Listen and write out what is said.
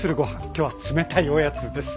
今日は冷たいおやつです。